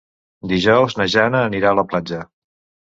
Dijous na Jana anirà a la platja.